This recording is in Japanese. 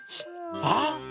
あっ！